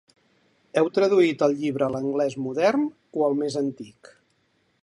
Heu traduït el llibre a l’anglès modern o el més antic?